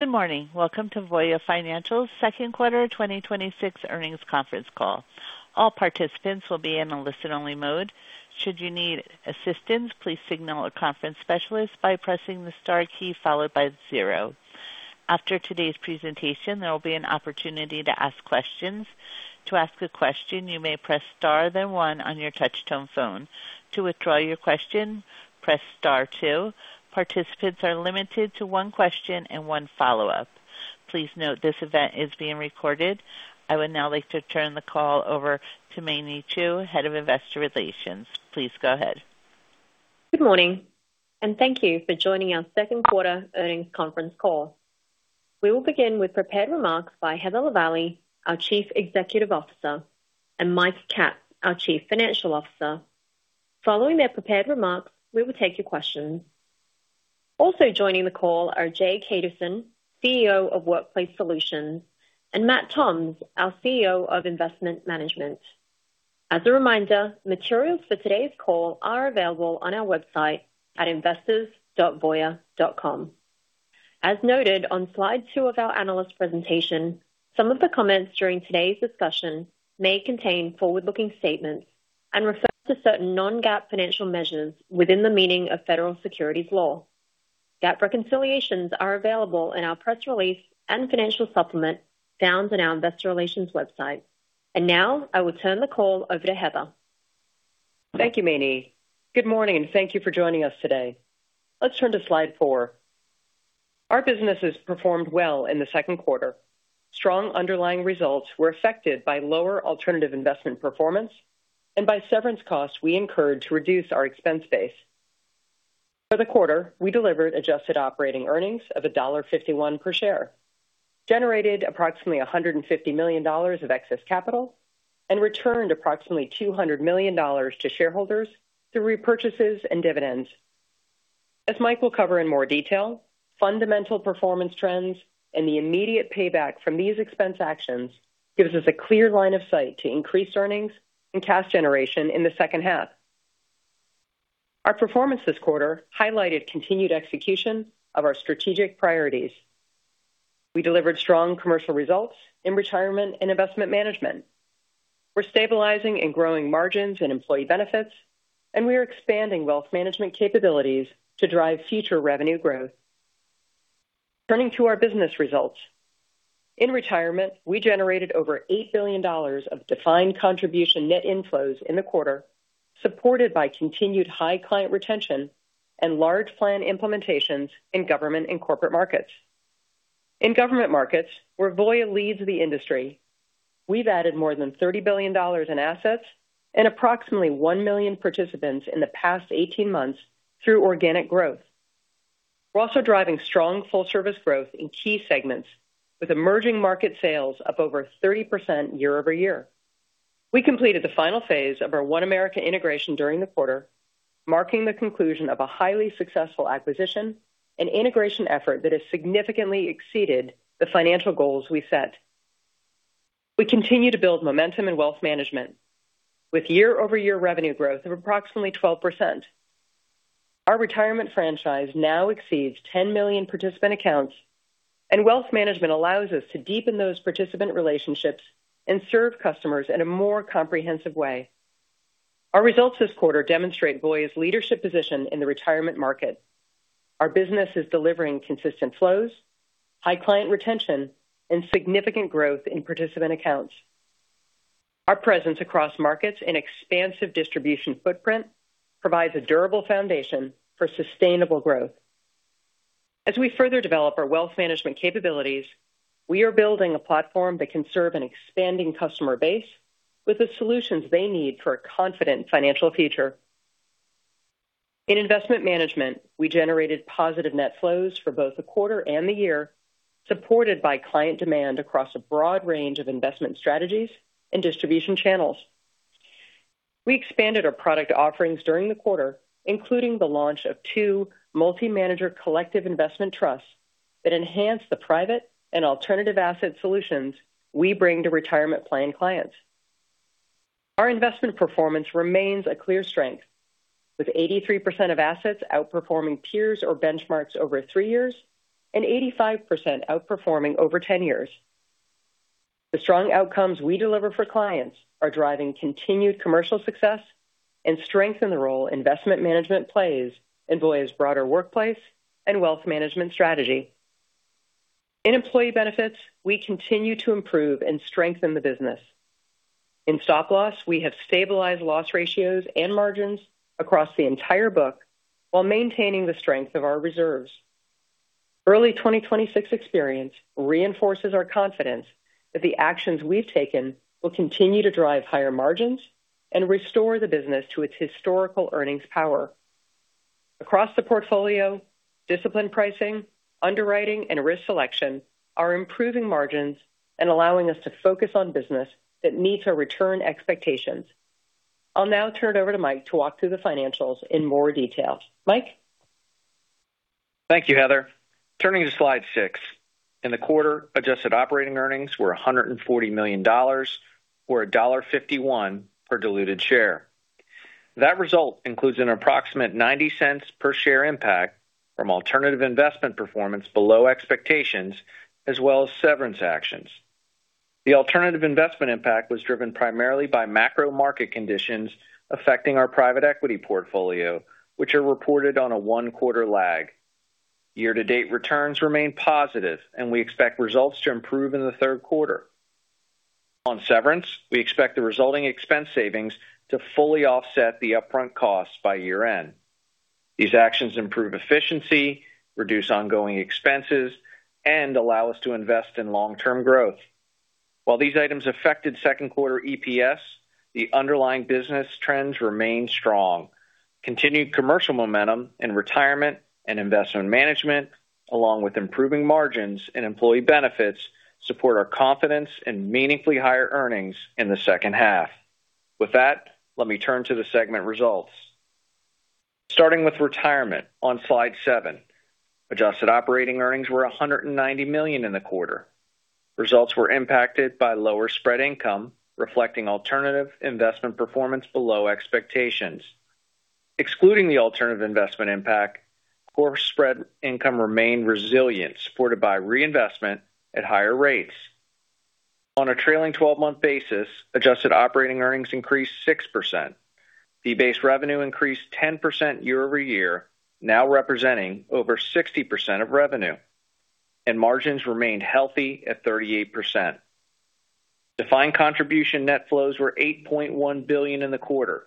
Good morning. Welcome to Voya Financial Second Quarter 2026 Earnings Conference Call. All participants will be in a listen-only mode. Should you need assistance, please signal a conference specialist by pressing the star key followed by zero. After today's presentation, there will be an opportunity to ask questions. To ask a question, you may press star then one on your touchtone phone. To withdraw your question, press star two. Participants are limited to one question and one follow-up. Please note this event is being recorded. I would now like to turn the call over to Mei Ni Chu, Head of Investor Relations. Please go ahead. Good morning. Thank you for joining our second quarter earnings conference call. We will begin with prepared remarks by Heather Lavallee, our Chief Executive Officer, and Michael Katz, our Chief Financial Officer. Following their prepared remarks, we will take your questions. Also joining the call are Jay Kaduson, CEO of Workplace Solutions, and Matt Toms, our CEO of Investment Management. As a reminder, materials for today's call are available on our website at investors.voya.com. As noted on slide two of our analyst presentation, some of the comments during today's discussion may contain forward-looking statements and refer to certain non-GAAP financial measures within the meaning of federal securities law. GAAP reconciliations are available in our press release and financial supplement found on our investor relations website. Now, I will turn the call over to Heather. Thank you, Mei Ni Good morning. Thank you for joining us today. Let's turn to slide four. Our businesses performed well in the second quarter. Strong underlying results were affected by lower alternative investment performance and by severance costs we incurred to reduce our expense base. For the quarter, we delivered adjusted operating earnings of $1.51 per share, generated approximately $150 million of excess capital, and returned approximately $200 million to shareholders through repurchases and dividends. As Mike will cover in more detail, fundamental performance trends and the immediate payback from these expense actions gives us a clear line of sight to increase earnings and cash generation in the second half. Our performance this quarter highlighted continued execution of our strategic priorities. We delivered strong commercial results in Retirement and Investment Management. We're stabilizing and growing margins in Employee Benefits. We are expanding wealth management capabilities to drive future revenue growth. Turning to our business results. In Retirement, we generated over $8 billion of defined contribution net inflows in the quarter, supported by continued high client retention and large plan implementations in government and corporate markets. In government markets, where Voya leads the industry, we've added more than $30 billion in assets and approximately one million participants in the past 18 months through organic growth. We're also driving strong full-service growth in key segments with emerging market sales up over 30% year-over-year. We completed the final phase of our OneAmerica integration during the quarter, marking the conclusion of a highly successful acquisition and integration effort that has significantly exceeded the financial goals we set. We continue to build momentum in Wealth Management with year-over-year revenue growth of approximately 12%. Our Retirement franchise now exceeds 10 million participant accounts, and Wealth Management allows us to deepen those participant relationships and serve customers in a more comprehensive way. Our results this quarter demonstrate Voya's leadership position in the Retirement market. Our business is delivering consistent flows, high client retention, and significant growth in participant accounts. Our presence across markets and expansive distribution footprint provides a durable foundation for sustainable growth. As we further develop our Wealth Management capabilities, we are building a platform that can serve an expanding customer base with the solutions they need for a confident financial future. In Investment Management, we generated positive net flows for both the quarter and the year, supported by client demand across a broad range of investment strategies and distribution channels. We expanded our product offerings during the quarter, including the launch of two multi-manager collective investment trusts that enhance the private and alternative asset solutions we bring to Retirement plan clients. Our investment performance remains a clear strength, with 83% of assets outperforming peers or benchmarks over three years and 85% outperforming over 10 years. The strong outcomes we deliver for clients are driving continued commercial success and strengthen the role Investment Management plays in Voya's broader Workplace and Wealth Management strategy. In Employee Benefits, we continue to improve and strengthen the business. In stop loss, we have stabilized loss ratios and margins across the entire book while maintaining the strength of our reserves. Early 2026 experience reinforces our confidence that the actions we've taken will continue to drive higher margins and restore the business to its historical earnings power. Across the portfolio, disciplined pricing, underwriting, and risk selection are improving margins and allowing us to focus on business that meets our return expectations. I'll now turn it over to Mike to walk through the financials in more detail. Mike? Thank you, Heather. Turning to slide six. In the quarter, adjusted operating earnings were $140 million, or $1.51 per diluted share. That result includes an approximate $0.90 per share impact from alternative investment performance below expectations, as well as severance actions. The alternative investment impact was driven primarily by macro market conditions affecting our private equity portfolio, which are reported on a one-quarter lag. Year-to-date returns remain positive, and we expect results to improve in the third quarter. On severance, we expect the resulting expense savings to fully offset the upfront costs by year-end. These actions improve efficiency, reduce ongoing expenses, and allow us to invest in long-term growth. While these items affected second quarter EPS, the underlying business trends remain strong. Continued commercial momentum in Retirement and Investment Management, along with improving margins and Employee Benefits, support our confidence in meaningfully higher earnings in the second half. With that, let me turn to the segment results. Starting with Retirement on slide seven, adjusted operating earnings were $190 million in the quarter. Results were impacted by lower spread income, reflecting alternative investment performance below expectations. Excluding the alternative investment impact, core spread income remained resilient, supported by reinvestment at higher rates. On a trailing 12-month basis, adjusted operating earnings increased 6%. Fee-based revenue increased 10% year-over-year, now representing over 60% of revenue, and margins remained healthy at 38%. Defined contribution net flows were $8.1 billion in the quarter,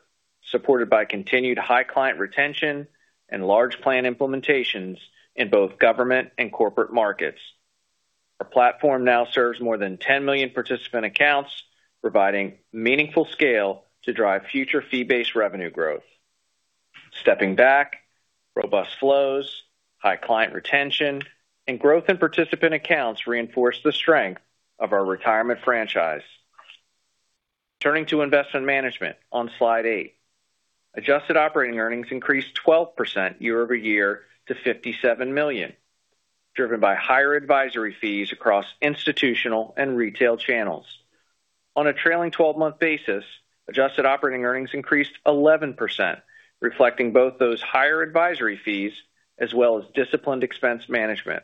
supported by continued high client retention and large plan implementations in both government and corporate markets. Our platform now serves more than 10 million participant accounts, providing meaningful scale to drive future fee-based revenue growth. Stepping back, robust flows, high client retention, and growth in participant accounts reinforce the strength of our Retirement franchise. Turning to Investment Management on slide eight. Adjusted operating earnings increased 12% year-over-year to $57 million, driven by higher advisory fees across institutional and retail channels. On a trailing 12-month basis, adjusted operating earnings increased 11%, reflecting both those higher advisory fees as well as disciplined expense management.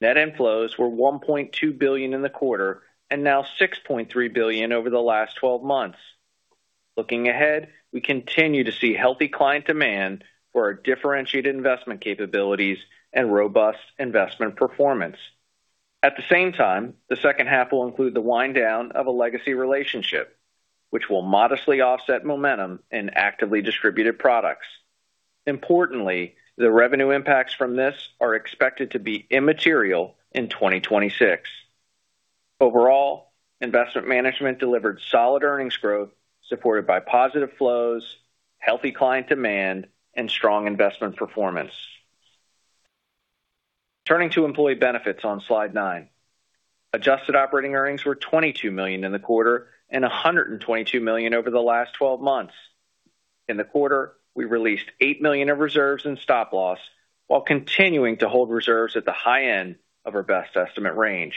Net inflows were $1.2 billion in the quarter and now $6.3 billion over the last 12 months. Looking ahead, we continue to see healthy client demand for our differentiated investment capabilities and robust investment performance. At the same time, the second half will include the wind down of a legacy relationship, which will modestly offset momentum in actively distributed products. Importantly, the revenue impacts from this are expected to be immaterial in 2026. Overall, Investment Management delivered solid earnings growth supported by positive flows, healthy client demand, and strong investment performance. Turning to Employee Benefits on slide nine. Adjusted operating earnings were $22 million in the quarter and $122 million over the last 12 months. In the quarter, we released $8 million of reserves in stop loss while continuing to hold reserves at the high end of our best estimate range.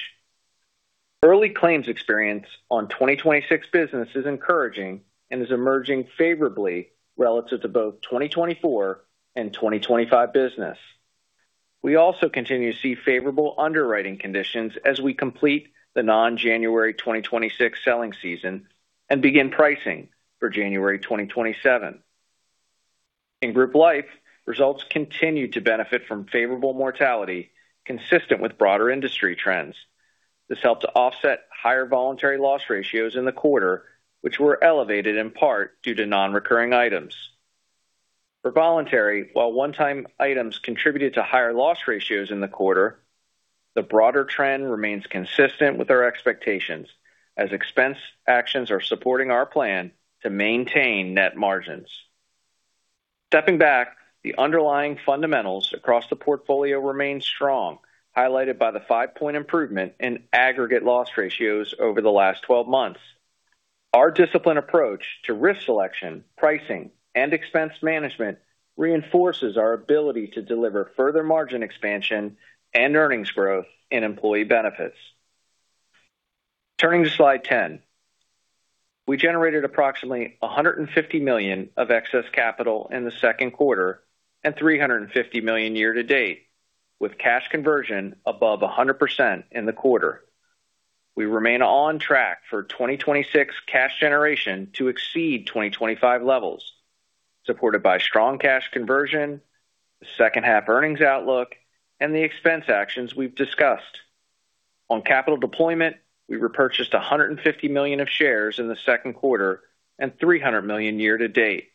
Early claims experience on 2026 business is encouraging and is emerging favorably relative to both 2024 and 2025 business. We also continue to see favorable underwriting conditions as we complete the non-January 2026 selling season and begin pricing for January 2027. In Group Life, results continued to benefit from favorable mortality consistent with broader industry trends. This helped to offset higher voluntary loss ratios in the quarter, which were elevated in part due to non-recurring items. For voluntary, while one-time items contributed to higher loss ratios in the quarter, the broader trend remains consistent with our expectations as expense actions are supporting our plan to maintain net margins. Stepping back, the underlying fundamentals across the portfolio remain strong, highlighted by the five-point improvement in aggregate loss ratios over the last 12 months. Our disciplined approach to risk selection, pricing, and expense management reinforces our ability to deliver further margin expansion and earnings growth in Employee Benefits. Turning to slide 10. We generated approximately $150 million of excess capital in the second quarter and $350 million year-to-date, with cash conversion above 100% in the quarter. We remain on track for 2026 cash generation to exceed 2025 levels, supported by strong cash conversion, the second half earnings outlook, and the expense actions we've discussed. On capital deployment, we repurchased $150 million of shares in the second quarter and $300 million year to date.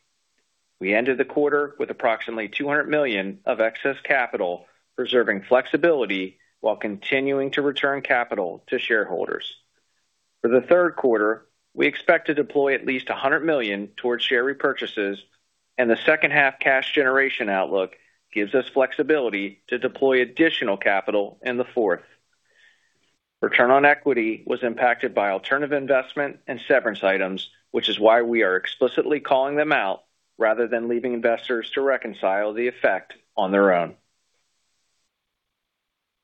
We ended the quarter with approximately $200 million of excess capital, preserving flexibility while continuing to return capital to shareholders. For the third quarter, we expect to deploy at least $100 million towards share repurchases, and the second half cash generation outlook gives us flexibility to deploy additional capital in the fourth. Return on equity was impacted by alternative investment and severance items, which is why we are explicitly calling them out rather than leaving investors to reconcile the effect on their own.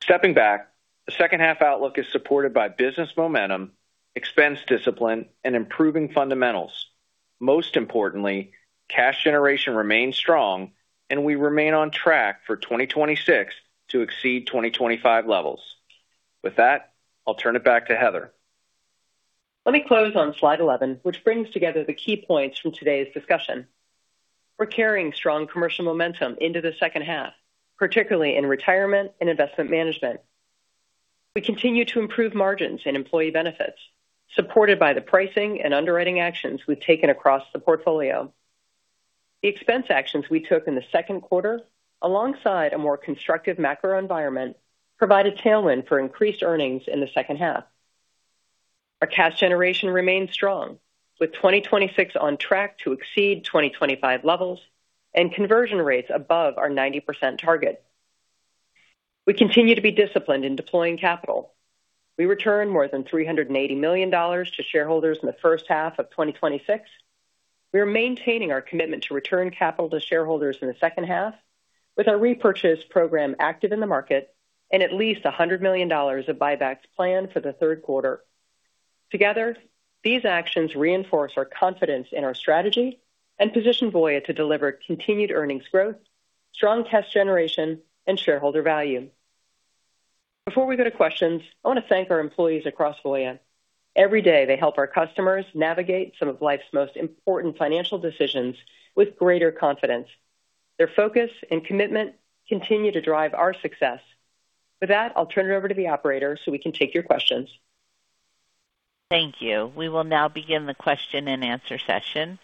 Stepping back, the second half outlook is supported by business momentum, expense discipline, and improving fundamentals. Most importantly, cash generation remains strong and we remain on track for 2026 to exceed 2025 levels. With that, I'll turn it back to Heather. Let me close on slide 11, which brings together the key points from today's discussion. We're carrying strong commercial momentum into the second half, particularly in Retirement and Investment Management. We continue to improve margins in Employee Benefits, supported by the pricing and underwriting actions we've taken across the portfolio. The expense actions we took in the second quarter, alongside a more constructive macro environment, provide a tailwind for increased earnings in the second half. Our cash generation remains strong, with 2026 on track to exceed 2025 levels and conversion rates above our 90% target. We continue to be disciplined in deploying capital. We returned more than $380 million to shareholders in the first half of 2026. We are maintaining our commitment to return capital to shareholders in the second half with our repurchase program active in the market and at least $100 million of buybacks planned for the third quarter. Together, these actions reinforce our confidence in our strategy and position Voya to deliver continued earnings growth, strong cash generation, and shareholder value. Before we go to questions, I want to thank our employees across Voya. Every day, they help our customers navigate some of life's most important financial decisions with greater confidence. Their focus and commitment continue to drive our success. With that, I'll turn it over to the operator so we can take your questions. Thank you. We will now begin the question and answer session.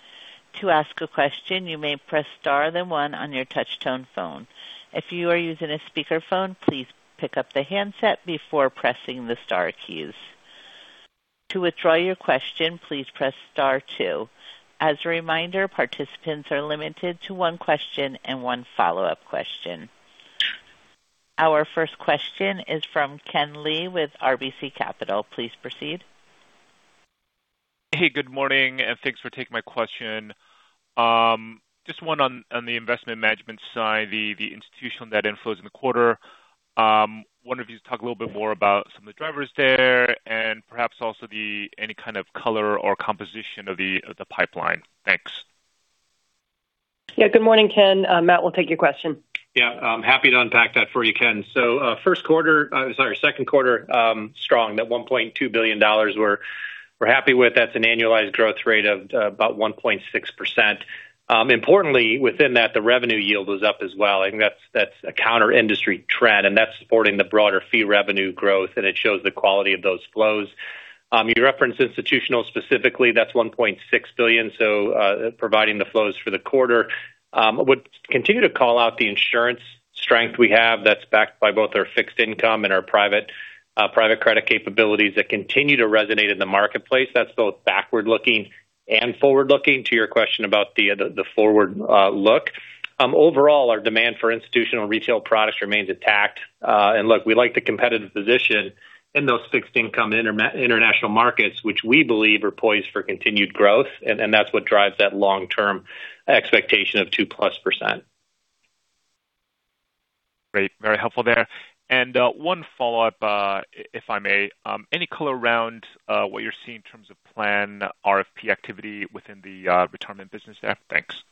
To ask a question, you may press star then one on your touchtone phone. If you are using a speakerphone, please pick up the handset before pressing the star keys. To withdraw your question, please press star two. As a reminder, participants are limited to one question and one follow-up question. Our first question is from Ken Lee with RBC Capital. Please proceed. Hey, good morning. Thanks for taking my question. Just one on the Investment Management side, the institutional net inflows in the quarter. Wonder if you could talk a little bit more about some of the drivers there and perhaps also any kind of color or composition of the pipeline. Thanks. Good morning, Ken. Matt will take your question. Happy to unpack that for you, Ken. Second quarter strong at $1.2 billion we're happy with. That's an annualized growth rate of about 1.6%. Importantly, within that, the revenue yield was up as well, and that's a counter-industry trend, and that's supporting the broader fee revenue growth, and it shows the quality of those flows. You referenced institutional specifically, that's $1.6 billion, providing the flows for the quarter. Would continue to call out the insurance strength we have that's backed by both our fixed income and our private credit capabilities that continue to resonate in the marketplace. That's both backward-looking and forward-looking to your question about the forward look. Overall, our demand for institutional retail products remains intact. Look, we like the competitive position in those fixed income international markets, which we believe are poised for continued growth, and that's what drives that long-term expectation of 2%+. Great. Very helpful there. One follow-up, if I may. Any color around what you're seeing in terms of planned RFP activity within the Retirement business there? Thanks.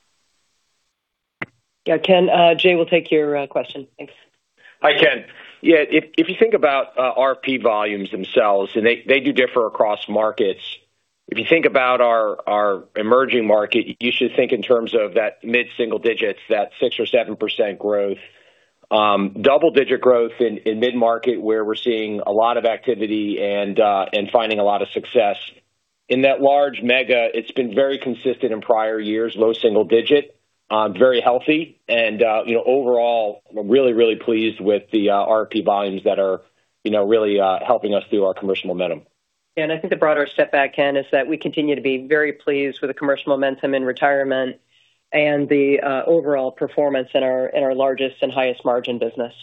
Yeah, Ken, Jay will take your question. Thanks. Hi, Ken. Yeah, if you think about RFP volumes themselves, they do differ across markets. If you think about our emerging market, you should think in terms of that mid-single digits, that 6% or 7% growth. Double-digit growth in mid-market, where we're seeing a lot of activity and finding a lot of success. In that large mega, it's been very consistent in prior years, low single-digit, very healthy. Overall, we're really pleased with the RFP volumes that are really helping us through our commercial momentum. Yeah, I think the broader step back, Ken, is that we continue to be very pleased with the commercial momentum in Retirement and the overall performance in our largest and highest margin business.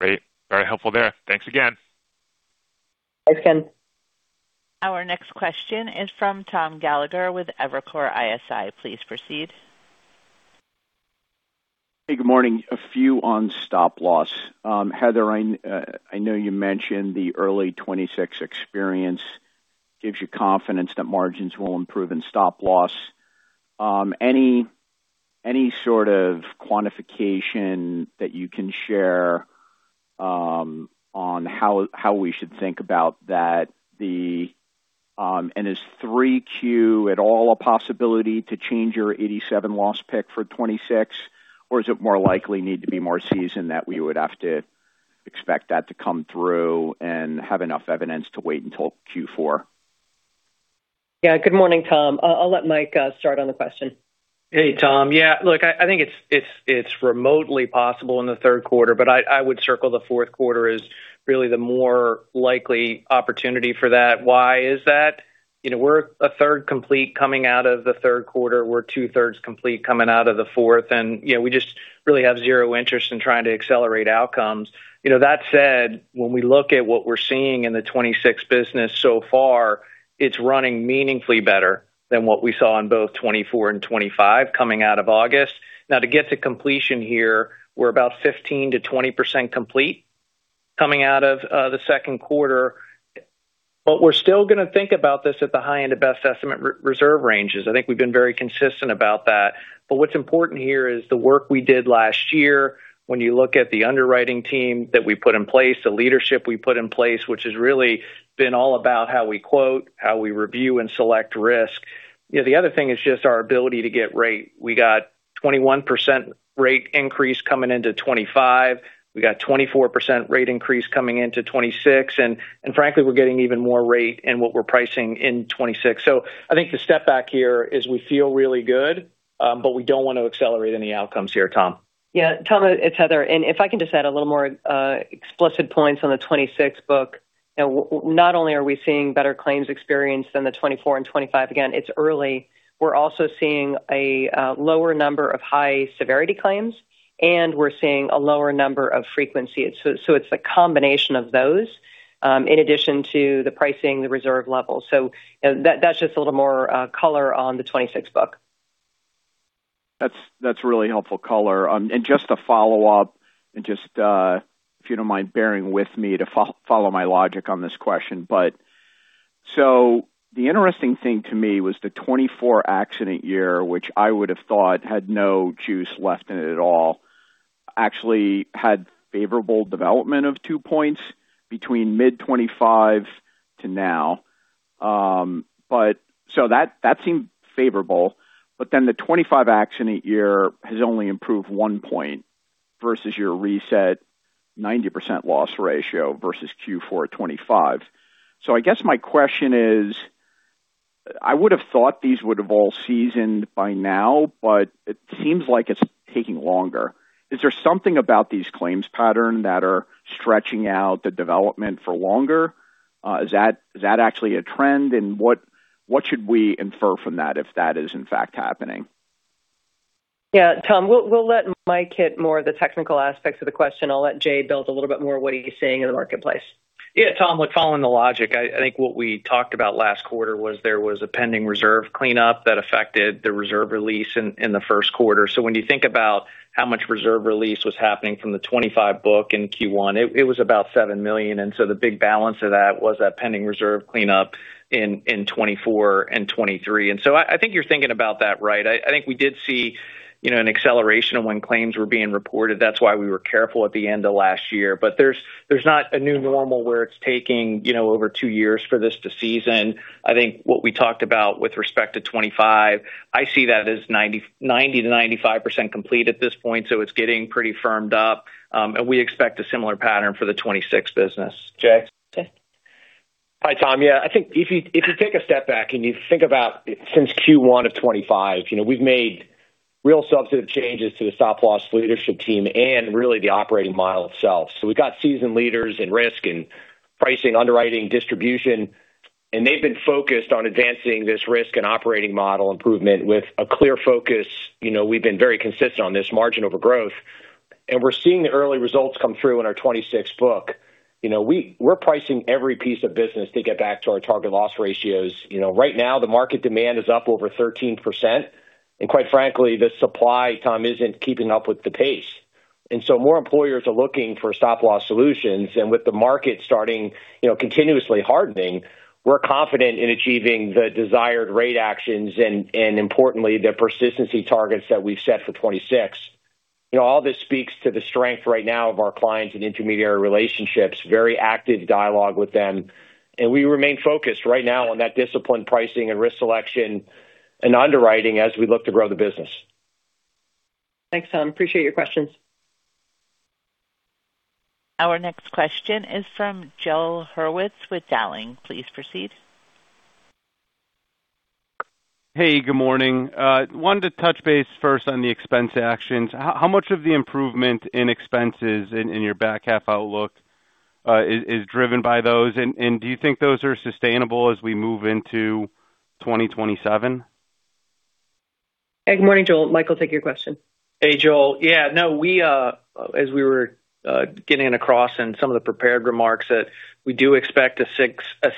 Great. Very helpful there. Thanks again. Thanks, Ken. Our next question is from Tom Gallagher with Evercore ISI. Please proceed. Good morning. A few on stop loss. Heather, I know you mentioned the early 2026 experience gives you confidence that margins will improve in stop loss. Is 3Q at all a possibility to change your 87 loss pick for 2026, or is it more likely need to be more seasoned that we would have to expect that to come through and have enough evidence to wait until Q4? Yeah. Good morning, Tom. I'll let Mike start on the question. Hey, Tom. Yeah, look, I think it's remotely possible in the third quarter, but I would circle the fourth quarter as really the more likely opportunity for that. Why is that? We're a third complete coming out of the third quarter. We're two-thirds complete coming out of the fourth, and we just really have zero interest in trying to accelerate outcomes. That said, when we look at what we're seeing in the 2026 business so far, it's running meaningfully better than what we saw in both 2024 and 2025 coming out of August. Now, to get to completion here, we're about 15%-20% complete coming out of the second quarter. We're still going to think about this at the high end of best estimate re-reserve ranges. I think we've been very consistent about that. What's important here is the work we did last year. When you look at the underwriting team that we put in place, the leadership we put in place, which has really been all about how we quote, how we review and select risk. The other thing is just our ability to get rate. We got 21% rate increase coming into 2025. We got 24% rate increase coming into 2026. Frankly, we're getting even more rate in what we're pricing in 2026. I think the step back here is we feel really good, but we don't want to accelerate any outcomes here, Tom. Tom, it's Heather. If I can just add a little more explicit points on the 2026 book. Not only are we seeing better claims experience than the 2024 and 2025, again, it is early. We are also seeing a lower number of high-severity claims, and we are seeing a lower number of frequency. It is a combination of those, in addition to the pricing, the reserve level. That is just a little more color on the 2026 book. That is really helpful color. Just to follow up and just if you do not mind bearing with me to follow my logic on this question. The interesting thing to me was the 2024 accident year, which I would have thought had no juice left in it at all, actually had favorable development of two points between mid-2025 to now. That seemed favorable. The 2025 accident year has only improved one point versus your reset 90% loss ratio versus Q4 2025. I guess my question is, I would have thought these would have all seasoned by now, but it is taking longer. Is there something about these claims pattern that are stretching out the development for longer? Is that actually a trend? What should we infer from that if that is in fact happening? Tom, we will let Mike hit more of the technical aspects of the question. I will let Jay build a little bit more what he is seeing in the marketplace. Tom, following the logic, I think what we talked about last quarter was there was a pending reserve cleanup that affected the reserve release in the first quarter. When you think about how much reserve release was happening from the 2025 book in Q1, it was about $7 million. The big balance of that was that pending reserve cleanup in 2024 and 2023. I think you are thinking about that right. I think we did see an acceleration of when claims were being reported. That is why we were careful at the end of last year. There is not a new normal where it is taking over two years for this to season. I think what we talked about with respect to 2025, I see that as 90%-95% complete at this point. It's getting pretty firmed up, and we expect a similar pattern for the 2026 business. Jay? Jay. Hi, Tom. I think if you take a step back and you think about since Q1 of 2025, we've made real substantive changes to the stop loss leadership team and really the operating model itself. We've got seasoned leaders in risk and pricing, underwriting, distribution, and they've been focused on advancing this risk and operating model improvement with a clear focus. We've been very consistent on this margin over growth, and we're seeing the early results come through in our 2026 book. We're pricing every piece of business to get back to our target loss ratios. Right now, the market demand is up over 13%, and quite frankly, the supply, Tom, isn't keeping up with the pace. More employers are looking for stop loss solutions. With the market starting continuously hardening, we're confident in achieving the desired rate actions and importantly, the persistency targets that we've set for 2026. All this speaks to the strength right now of our clients and intermediary relationships, very active dialogue with them. We remain focused right now on that disciplined pricing and risk selection and underwriting as we look to grow the business. Thanks, Tom. Appreciate your questions. Our next question is from Joel Hurwitz with Dowling. Please proceed. Hey, good morning. Wanted to touch base first on the expense actions. How much of the improvement in expenses in your back half outlook is driven by those? Do you think those are sustainable as we move into 2027? Good morning, Joel. Mike will take your question. Hey, Joel. Yeah. As we were getting across in some of the prepared remarks that we do expect a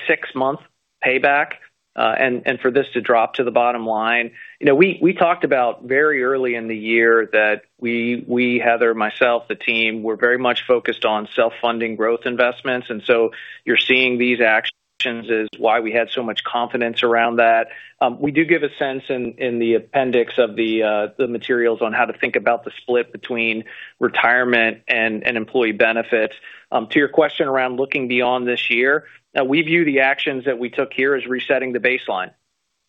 six-month payback, and for this to drop to the bottom line. We talked about very early in the year that we, Heather, myself, the team, we're very much focused on self-funding growth investments, and so you're seeing these actions is why we had so much confidence around that. We do give a sense in the appendix of the materials on how to think about the split between Retirement and Employee Benefits. To your question around looking beyond this year, we view the actions that we took here as resetting the baseline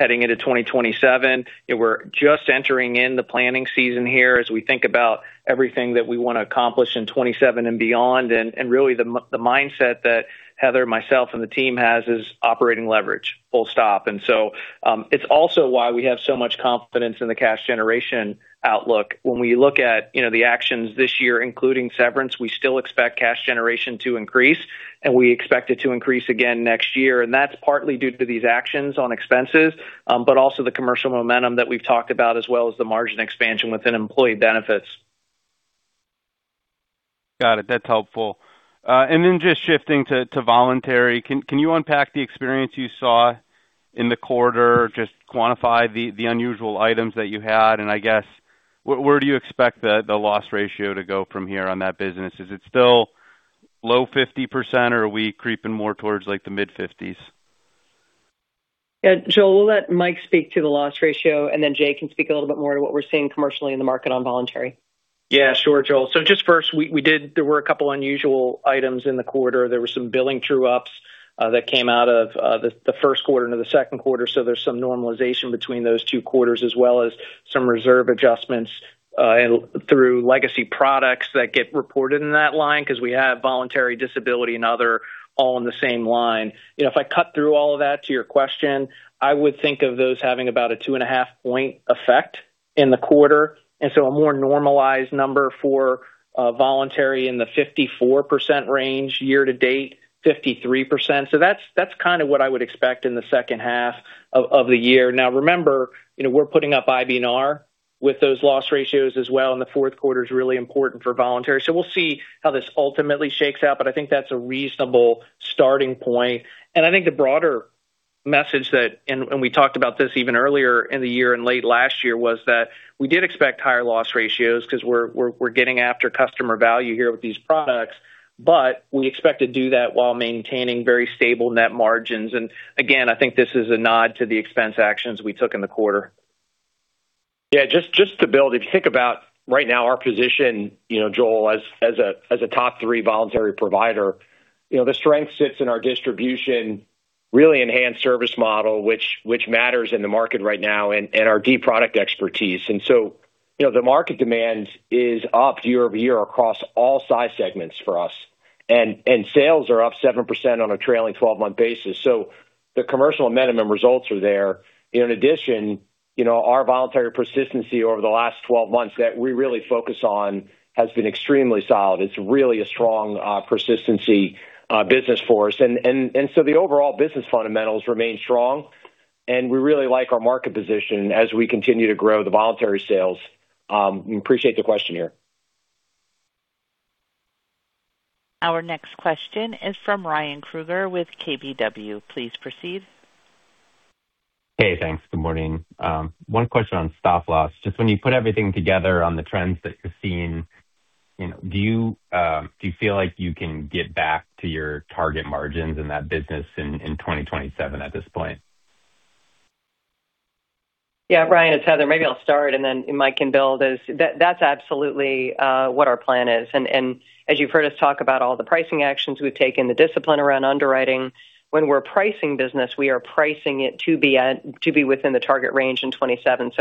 heading into 2027. We're just entering in the planning season here as we think about everything that we want to accomplish in 2027 and beyond. Really the mindset that Heather, myself, and the team has is operating leverage, full stop. It's also why we have so much confidence in the cash generation outlook. When we look at the actions this year, including severance, we still expect cash generation to increase, and we expect it to increase again next year. That's partly due to these actions on expenses, but also the commercial momentum that we've talked about as well as the margin expansion within Employee Benefits. Got it. That's helpful. Just shifting to voluntary. Can you unpack the experience you saw in the quarter, just quantify the unusual items that you had, and I guess where do you expect the loss ratio to go from here on that business? Is it still low 50% or are we creeping more towards the mid-50s? Yeah, Joel, we'll let Mike speak to the loss ratio. Jay can speak a little bit more to what we're seeing commercially in the market on voluntary. Yeah, sure, Joel. Just first, there were a couple unusual items in the quarter. There were some billing true-ups that came out of the first quarter into the second quarter, so there's some normalization between those two quarters, as well as some reserve adjustments through legacy products that get reported in that line because we have voluntary disability and other all in the same line. If I cut through all of that to your question, I would think of those having about a two and a half point effect in the quarter, a more normalized number for voluntary in the 54% range, year to date, 53%. That's kind of what I would expect in the second half of the year. Remember, we're putting up IBNR with those loss ratios as well, and the fourth quarter's really important for voluntary. We'll see how this ultimately shakes out, but I think that's a reasonable starting point. I think the broader message that, and we talked about this even earlier in the year and late last year, was that we did expect higher loss ratios because we're getting after customer value here with these products, but we expect to do that while maintaining very stable net margins. Again, I think this is a nod to the expense actions we took in the quarter. Just to build, if you think about right now our position, Joel, as a top three voluntary provider, the strength sits in our distribution, really enhanced service model, which matters in the market right now, and our deep product expertise. The market demand is up year-over-year across all size segments for us. Sales are up 7% on a trailing 12-month basis. The commercial momentum results are there. In addition, our voluntary persistency over the last 12 months that we really focus on has been extremely solid. It's really a strong persistency business for us. The overall business fundamentals remain strong, and we really like our market position as we continue to grow the voluntary sales. Appreciate the question here. Our next question is from Ryan Krueger with KBW. Please proceed. Thanks. Good morning. One question on stop loss. Just when you put everything together on the trends that you're seeing, do you feel like you can get back to your target margins in that business in 2027 at this point? Ryan, it's Heather. Maybe I'll start and then Mike can build. That's absolutely what our plan is. As you've heard us talk about all the pricing actions we've taken, the discipline around underwriting. When we're pricing business, we are pricing it to be within the target range in 2027.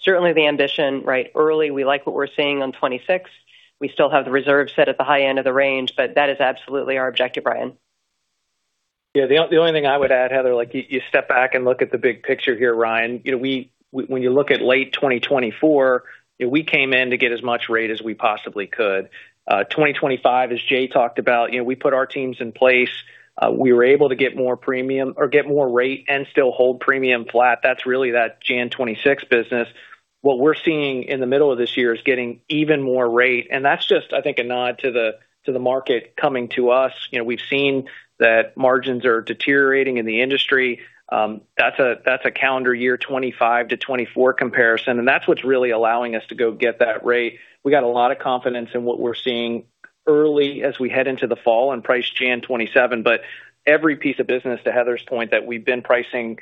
Certainly the ambition, early we like what we're seeing on 2026. We still have the reserve set at the high end of the range, that is absolutely our objective, Ryan. Yeah. The only thing I would add, Heather, you step back and look at the big picture here, Ryan. When you look at late 2024, we came in to get as much rate as we possibly could. 2025, as Jay talked about, we put our teams in place. We were able to get more premium or get more rate and still hold premium flat. That's really that January 2026 business. What we're seeing in the middle of this year is getting even more rate, that's just, I think, a nod to the market coming to us. We've seen that margins are deteriorating in the industry. That's a calendar year 2025 to 2024 comparison, that's what's really allowing us to go get that rate. We got a lot of confidence in what we're seeing early as we head into the fall on price January 2027. Every piece of business, to Heather's point, that we've been pricing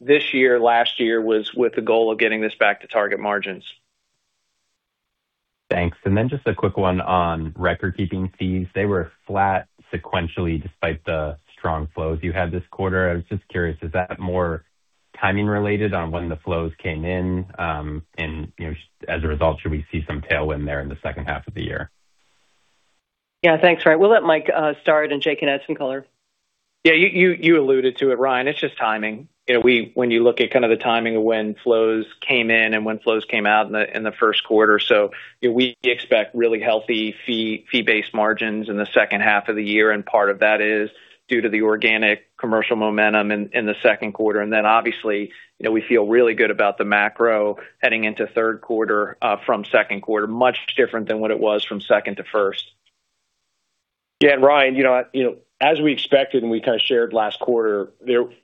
this year, last year, was with the goal of getting this back to target margins. Thanks. Then just a quick one on recordkeeping fees. They were flat sequentially despite the strong flows you had this quarter. I was just curious, is that more timing related on when the flows came in? As a result, should we see some tailwind there in the second half of the year? Yeah. Thanks, Ryan. We'll let Mike start and Jay can add some color. Yeah. You alluded to it, Ryan. It's just timing. When you look at kind of the timing of when flows came in and when flows came out in the first quarter. We expect really healthy fee-based margins in the second half of the year, and part of that is due to the organic commercial momentum in the second quarter. Obviously, we feel really good about the macro heading into third quarter from second quarter. Much different than what it was from second to first. Yeah. Ryan, as we expected, and we kind of shared last quarter,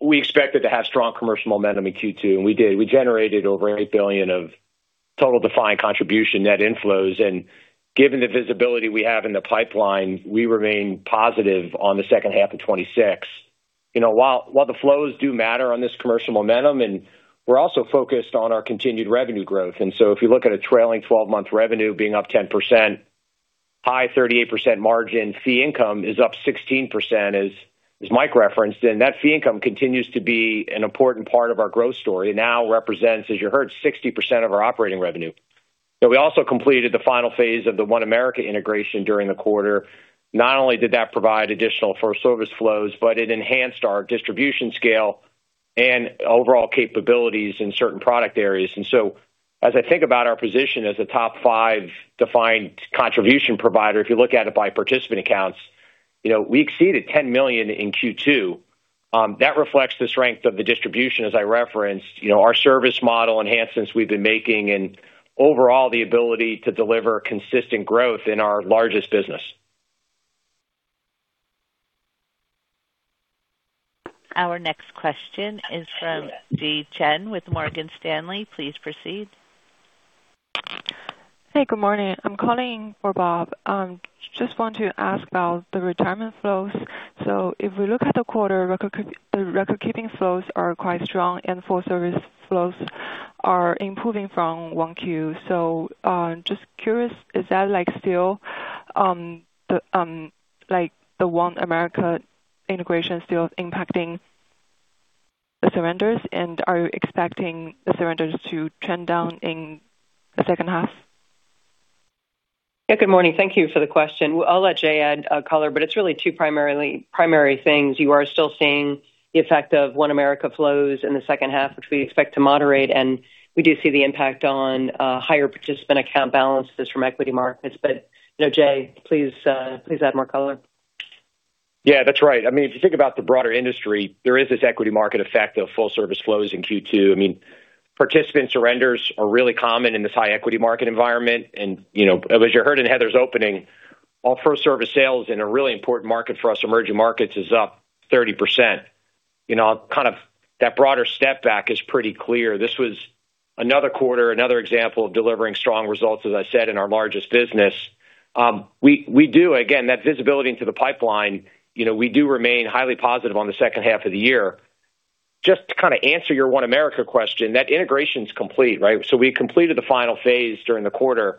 we expected to have strong commercial momentum in Q2, and we did. We generated over $8 billion of total defined contribution net inflows. Given the visibility we have in the pipeline, we remain positive on the second half of 2026. While the flows do matter on this commercial momentum, and we're also focused on our continued revenue growth. If you look at a trailing 12-month revenue being up 10%, high 38% margin fee income is up 16%, as Mike referenced, and that fee income continues to be an important part of our growth story. It now represents, as you heard, 60% of our operating revenue. We also completed the final phase of the OneAmerica integration during the quarter. Not only did that provide additional first service flows, but it enhanced our distribution scale and overall capabilities in certain product areas. As I think about our position as a top five defined contribution provider, if you look at it by participant accounts, we exceeded $10 million in Q2. That reflects the strength of the distribution as I referenced, our service model enhancements we've been making and overall the ability to deliver consistent growth in our largest business. Our next question is from Yijia Chen with Morgan Stanley. Please proceed. Hey, good morning. I just want to ask about the Retirement flows. If we look at the quarter, record-keeping flows are quite strong and full service flows are improving from one Q. Just curious, is that the OneAmerica integration still impacting the surrenders? Are you expecting the surrenders to trend down in the second half? Yeah. Good morning. Thank you for the question. I'll let Jay add color. It's really two primary things. You are still seeing the effect of OneAmerica flows in the second half, which we expect to moderate. We do see the impact on higher participant account balances from equity markets. Jay, please add more color. Yeah, that's right. If you think about the broader industry, there is this equity market effect of full service flows in Q2. Participant surrenders are really common in this high equity market environment. As you heard in Heather's opening, our full service sales in a really important market for us, emerging markets, is up 30%. That broader step back is pretty clear. This was another quarter, another example of delivering strong results, as I said, in our largest business. Again, that visibility into the pipeline, we do remain highly positive on the second half of the year. Just to answer your OneAmerica question, that integration's complete, right? We completed the final phase during the quarter.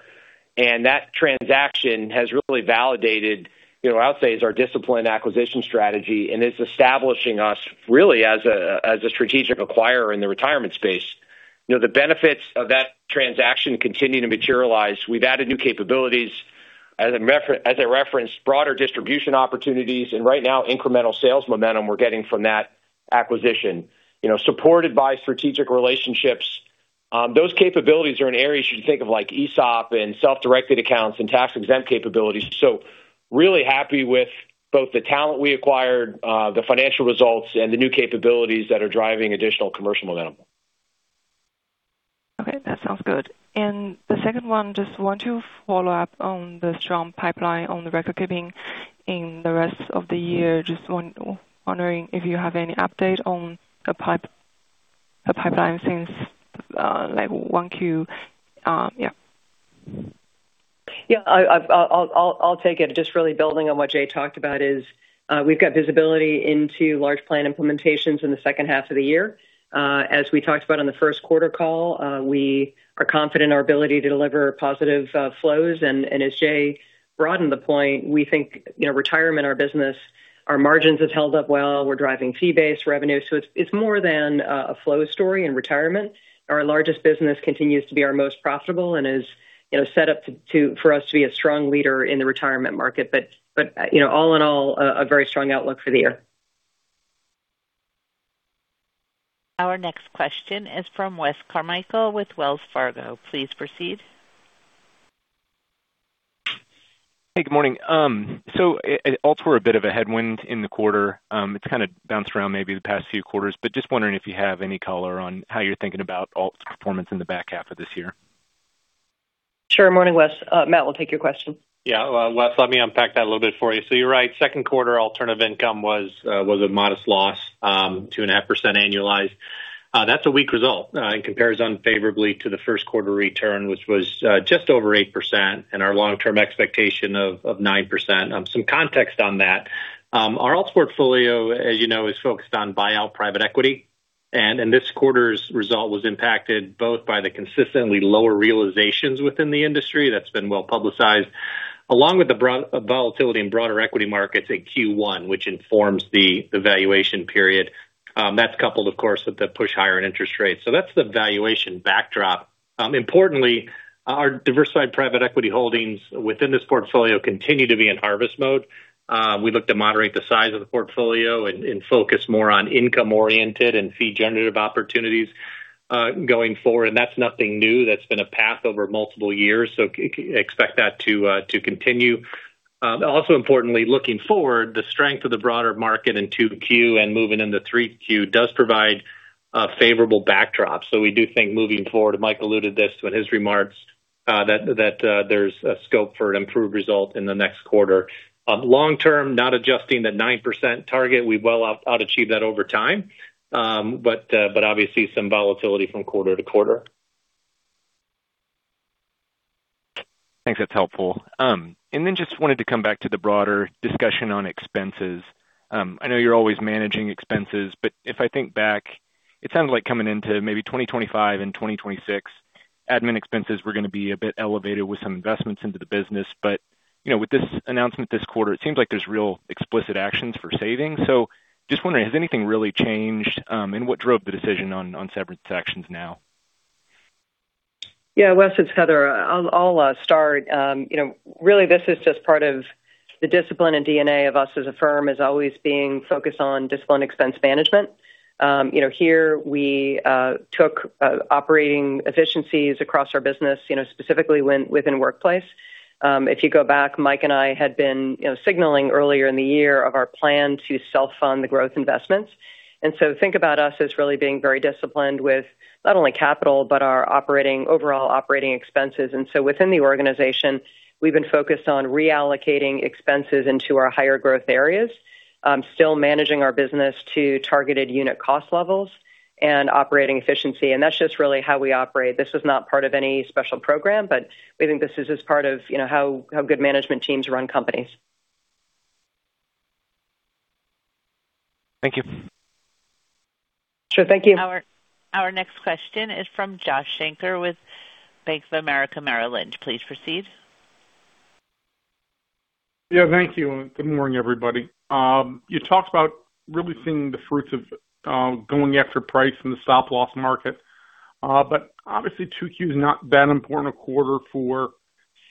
That transaction has really validated, I would say, is our discipline acquisition strategy, and it's establishing us really as a strategic acquirer in the Retirement space. The benefits of that transaction continue to materialize. We've added new capabilities. As I referenced, broader distribution opportunities. Right now, incremental sales momentum we're getting from that acquisition, supported by strategic relationships. Those capabilities are in areas you think of like ESOP and self-directed accounts and tax-exempt capabilities. Really happy with both the talent we acquired, the financial results, and the new capabilities that are driving additional commercial momentum. Okay, that sounds good. The second one, just want to follow up on the strong pipeline on the record keeping in the rest of the year. Just wondering if you have any update on the pipeline since 1Q. Yeah. Yeah. I'll take it. Just really building on what Jay talked about is, we've got visibility into large plan implementations in the second half of the year. As we talked about on the first quarter call, we are confident in our ability to deliver positive flows. As Jay broadened the point, we think Retirement, our business, our margins have held up well. We're driving fee-based revenue. It's more than a flow story in Retirement. Our largest business continues to be our most profitable and is set up for us to be a strong leader in the Retirement market. All in all, a very strong outlook for the year. Our next question is from Wes Carmichael with Wells Fargo. Please proceed. Hey, good morning. Alts were a bit of a headwind in the quarter. It's kind of bounced around maybe the past few quarters, but just wondering if you have any color on how you're thinking about alts performance in the back half of this year. Sure. Morning, Wes. Matt will take your question. Yeah. Wes, let me unpack that a little bit for you. You're right, second quarter alternative income was a modest loss, 2.5% annualized. That's a weak result and compares unfavorably to the first quarter return, which was just over 8%, and our long-term expectation of 9%. Some context on that. Our alts portfolio, as you know, is focused on buyout private equity, and this quarter's result was impacted both by the consistently lower realizations within the industry that's been well-publicized, along with the volatility in broader equity markets in Q1, which informs the valuation period. That's coupled, of course, with the push higher interest rates. That's the valuation backdrop. Importantly, our diversified private equity holdings within this portfolio continue to be in harvest mode. We look to moderate the size of the portfolio and focus more on income-oriented and fee-generative opportunities going forward, and that's nothing new. That's been a path over multiple years. Expect that to continue. Also importantly, looking forward, the strength of the broader market in 2Q and moving into 3Q does provide a favorable backdrop. We do think moving forward, Mike alluded this to in his remarks, that there's a scope for an improved result in the next quarter. Long term, not adjusting the 9% target. We well ought to achieve that over time. Obviously some volatility from quarter to quarter. Thanks. That's helpful. Just wanted to come back to the broader discussion on expenses. I know you're always managing expenses, but if I think back, it sounded like coming into maybe 2025 and 2026, admin expenses were going to be a bit elevated with some investments into the business. With this announcement this quarter, it seems like there's real explicit actions for savings. Just wondering, has anything really changed, and what drove the decision on separate actions now? Yeah. Wes, it's Heather. I'll start. Really this is just part of the discipline and DNA of us as a firm is always being focused on disciplined expense management. Here we took operating efficiencies across our business, specifically within Workplace. If you go back, Mike and I had been signaling earlier in the year of our plan to self-fund the growth investments. Think about us as really being very disciplined with not only capital, but our overall operating expenses. Within the organization, we've been focused on reallocating expenses into our higher growth areas, still managing our business to targeted unit cost levels and operating efficiency. That's just really how we operate. This is not part of any special program, but we think this is just part of how good management teams run companies. Thank you. Sure. Thank you. Our next question is from Josh Shanker with Bank of America Merrill Lynch. Please proceed. Yeah, thank you. Good morning, everybody. You talked about really seeing the fruits of going after price in the stop-loss market. Obviously Q2 is not that important a quarter for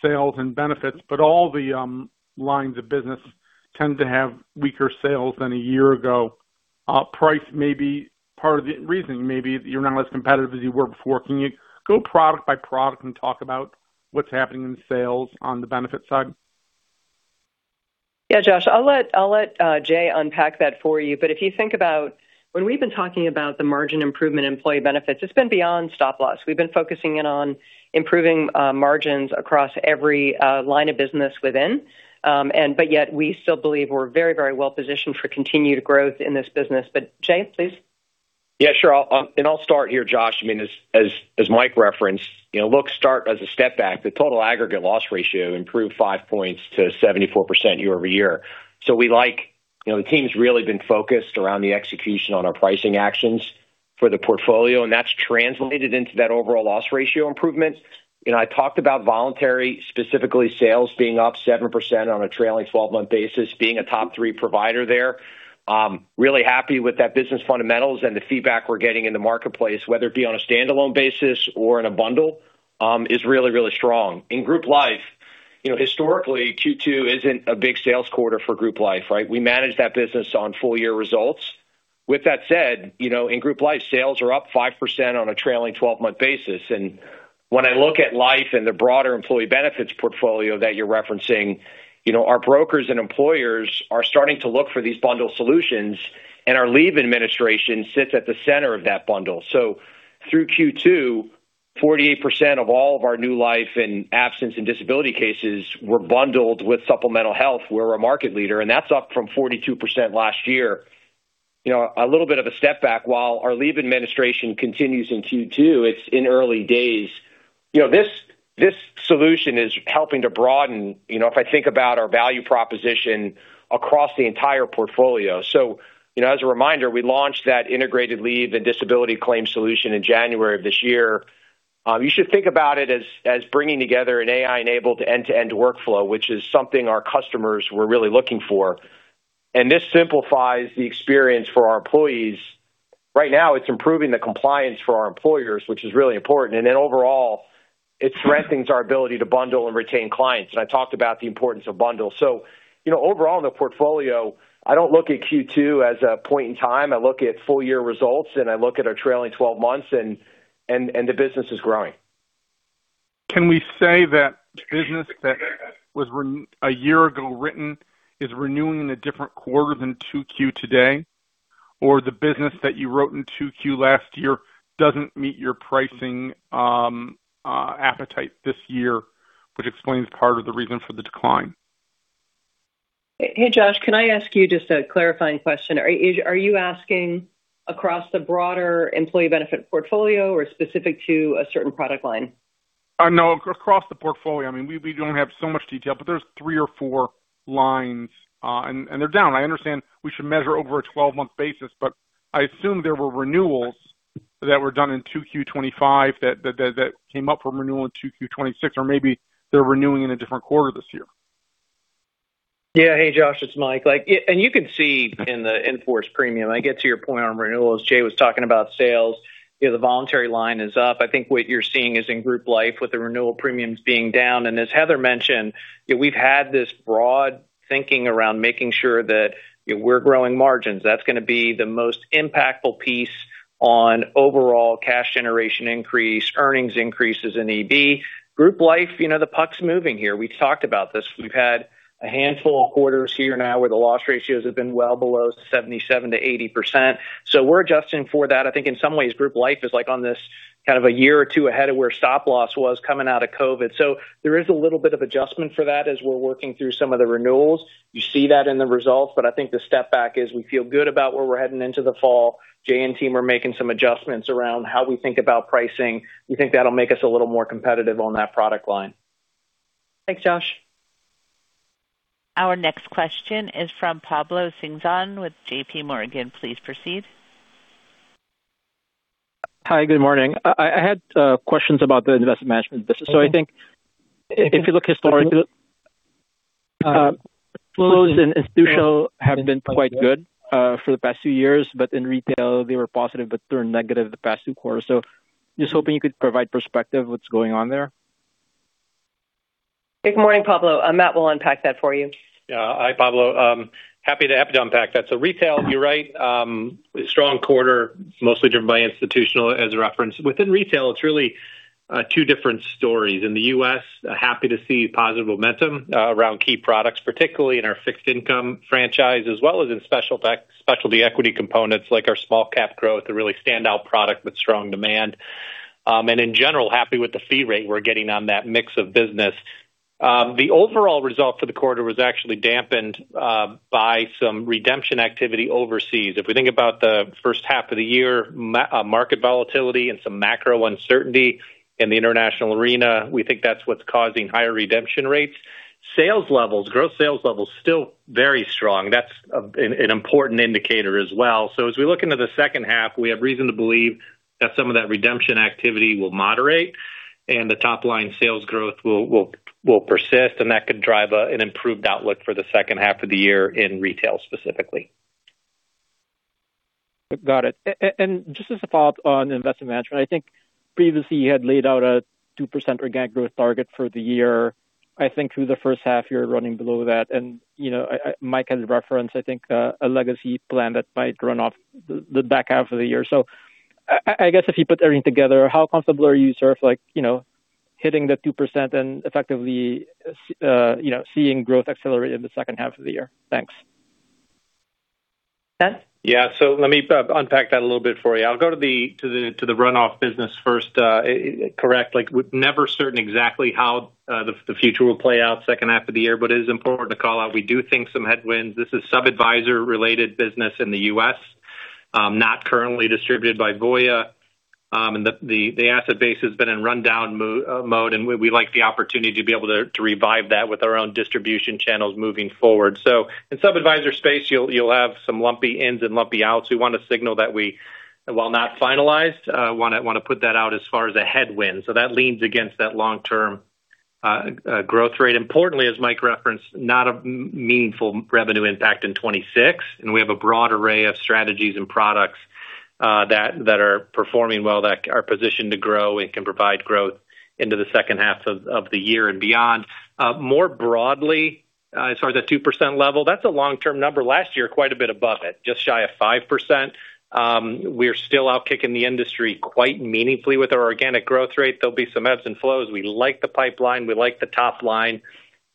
sales and benefits, all the lines of business tend to have weaker sales than a year ago. Price may be part of the reason. Maybe you're not as competitive as you were before. Can you go product by product and talk about what's happening in sales on the benefit side? Yeah. Josh, I'll let Jay unpack that for you. If you think about when we've been talking about the margin improvement Employee Benefits, it's been beyond stop-loss. We've been focusing in on improving margins across every line of business within. Yet we still believe we're very well positioned for continued growth in this business. Jay, please. Yeah, sure. I'll start here, Josh. As Mike referenced, look, start as a step back. The total aggregate loss ratio improved five points to 74% year-over-year. The team's really been focused around the execution on our pricing actions for the portfolio, and that's translated into that overall loss ratio improvement. I talked about voluntary, specifically sales being up 7% on a trailing 12-month basis, being a top-three provider there. Really happy with that business fundamentals, and the feedback we're getting in the marketplace, whether it be on a standalone basis or in a bundle, is really strong. In Group Life, historically, Q2 isn't a big sales quarter for Group Life, right? We manage that business on full-year results. With that said, in Group Life, sales are up 5% on a trailing 12-month basis. When I look at Life and the broader Employee Benefits portfolio that you're referencing, our brokers and employers are starting to look for these bundle solutions, and our leave administration sits at the center of that bundle. Through Q2, 48% of all of our new Life and Absence and Disability cases were bundled with supplemental health. We're a market leader, and that's up from 42% last year. A little bit of a step back while our leave administration continues in Q2. It's in early days. This solution is helping to broaden if I think about our value proposition across the entire portfolio. As a reminder, we launched that integrated leave and disability claim solution in January of this year. You should think about it as bringing together an AI-enabled end-to-end workflow, which is something our customers were really looking for. This simplifies the experience for our employees. Right now it's improving the compliance for our employers, which is really important. Overall, it strengthens our ability to bundle and retain clients, and I talked about the importance of bundles. Overall in the portfolio, I don't look at Q2 as a point in time. I look at full-year results, and I look at our trailing 12 months, and the business is growing. Can we say that business that was a year ago written is renewing in a different quarter than Q2 today? The business that you wrote in Q2 last year doesn't meet your pricing appetite this year, which explains part of the reason for the decline? Hey, Josh, can I ask you just a clarifying question? Are you asking across the broader Employee Benefits portfolio or specific to a certain product line? No, across the portfolio. We don't have so much detail, but there are three or four lines, and they are down. I understand we should measure over a 12-month basis, but I assume there were renewals that were done in Q2 2025 that came up for renewal in Q2 2026, or maybe they are renewing in a different quarter this year. Yeah. Hey, Josh, it's Mike. You can see in the in-force premium. I get to your point on renewals. Jay was talking about sales. The voluntary line is up. I think what you are seeing is in Group Life with the renewal premiums being down. As Heather mentioned, we have had this broad thinking around making sure that we are growing margins. That is going to be the most impactful piece on overall cash generation increase, earnings increases in EB. Group Life, the puck is moving here. We have talked about this. We have had a handful of quarters here now where the loss ratios have been well below 77%-80%. We are adjusting for that. I think in some ways, Group Life is like on this kind of a year or two ahead of where stop loss was coming out of COVID. There is a little bit of adjustment for that as we are working through some of the renewals. You see that in the results. I think the step back is we feel good about where we are heading into the fall. Jay and team are making some adjustments around how we think about pricing. We think that will make us a little more competitive on that product line. Thanks, Josh. Our next question is from Pablo Singzon with JPMorgan. Please proceed. Hi, good morning. I had questions about the Investment Management business. I think if you look historically, flows in institutional have been quite good for the past few years, in retail they were positive, they're negative the past two quarters. Just hoping you could provide perspective what's going on there. Good morning, Pablo. Matt will unpack that for you. Yeah. Hi, Pablo. Happy to unpack that. Retail, you're right, strong quarter, mostly driven by institutional as a reference. Within retail, it's really Two different stories. In the U.S., happy to see positive momentum around key products, particularly in our fixed income franchise, as well as in specialty equity components like our small cap growth, a really standout product with strong demand. In general, happy with the fee rate we're getting on that mix of business. The overall result for the quarter was actually dampened by some redemption activity overseas. We think about the first half of the year, market volatility and some macro uncertainty in the international arena, we think that's what's causing higher redemption rates. Sales levels, growth sales levels, still very strong. That's an important indicator as well. As we look into the second half, we have reason to believe that some of that redemption activity will moderate and the top-line sales growth will persist, and that could drive an improved outlook for the second half of the year in retail specifically. Got it. Just as a follow-up on Investment Management, I think previously you had laid out a 2% organic growth target for the year. I think through the first half, you're running below that. Mike had referenced, I think, a legacy plan that might run off the back half of the year. I guess if you put everything together, how comfortable are you sort of hitting the 2% and effectively seeing growth accelerate in the second half of the year? Thanks. Matt? Yeah. Let me unpack that a little bit for you. I'll go to the runoff business first. Correct. We're never certain exactly how the future will play out second half of the year, but it is important to call out, we do think some headwinds. This is sub-adviser related business in the U.S., not currently distributed by Voya. The asset base has been in rundown mode, and we like the opportunity to be able to revive that with our own distribution channels moving forward. In sub-adviser space, you'll have some lumpy ins and lumpy outs. We want to signal that we, while not finalized, want to put that out as far as a headwind. That leans against that long-term growth rate. Importantly, as Mike referenced, not a meaningful revenue impact in 2026, and we have a broad array of strategies and products that are performing well, that are positioned to grow and can provide growth into the second half of the year and beyond. More broadly, as far as that 2% level, that's a long-term number. Last year, quite a bit above it, just shy of 5%. We are still out-kicking the industry quite meaningfully with our organic growth rate. There'll be some ebbs and flows. We like the pipeline, we like the top line,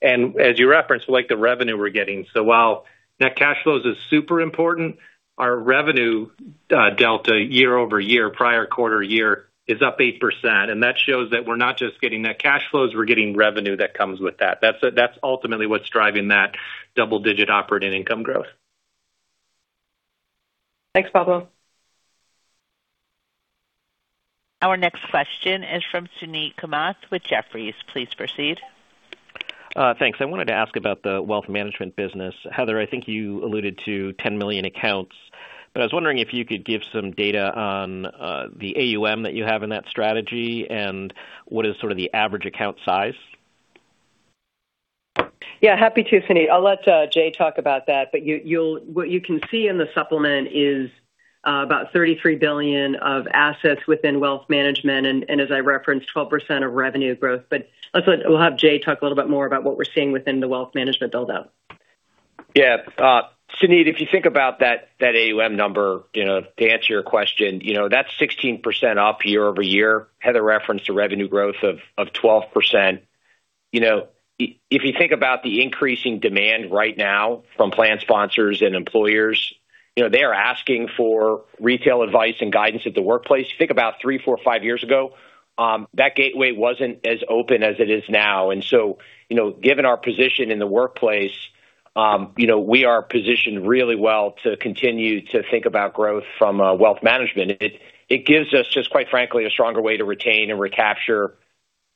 and as you referenced, we like the revenue we're getting. While net cash flows is super important, our revenue delta year-over-year, prior quarter year is up 8%, and that shows that we're not just getting net cash flows, we're getting revenue that comes with that. That's ultimately what's driving that double-digit operating income growth. Thanks, Pablo. Our next question is from Suneet Kamath with Jefferies. Please proceed. Thanks. I wanted to ask about the wealth management business. Heather, I think you alluded to 10 million accounts, I was wondering if you could give some data on the AUM that you have in that strategy and what is sort of the average account size. Yeah, happy to, Suneet. I'll let Jay talk about that. What you can see in the supplement is about $33 billion of assets within wealth management, and as I referenced, 12% of revenue growth. We'll have Jay talk a little bit more about what we're seeing within the wealth management build-out. Yeah. Suneet, if you think about that AUM number, to answer your question, that's 16% up year-over-year. Heather referenced a revenue growth of 12%. If you think about the increasing demand right now from plan sponsors and employers, they are asking for retail advice and guidance at the workplace. If you think about three, four, five years ago, that gateway wasn't as open as it is now. Given our position in the workplace, we are positioned really well to continue to think about growth from wealth management. It gives us just, quite frankly, a stronger way to retain and recapture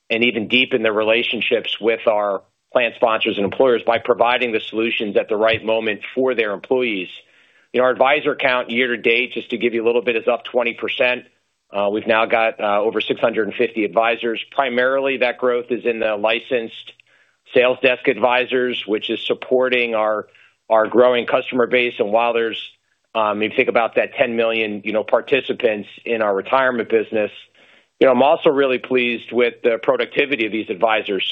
and even deepen the relationships with our plan sponsors and employers by providing the solutions at the right moment for their employees. Our advisor count year-to-date, just to give you a little bit, is up 20%. We've now got over 650 advisors. Primarily, that growth is in the licensed sales desk advisors, which is supporting our growing customer base. While there's, if you think about that 10 million participants in our Retirement business, I'm also really pleased with the productivity of these advisors.